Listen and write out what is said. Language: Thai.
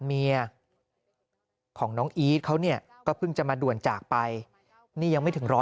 เมียของน้องอีทเขาเนี่ยก็เพิ่งจะมาด่วนจากไปนี่ยังไม่ถึง๑๐๐